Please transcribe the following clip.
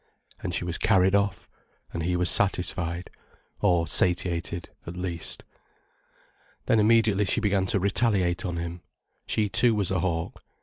And she was carried off, and he was satisfied, or satiated at last. Then immediately she began to retaliate on him. She too was a hawk.